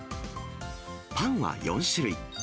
パンは４種類。